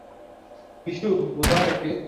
বিশু, বোঝাও ওকে!